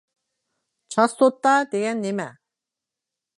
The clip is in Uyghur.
چاستوتا دېگەن نېمە؟